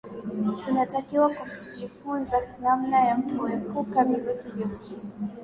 tunatakiwa kujifunza namna ya kuepuka virusi vya ukimwi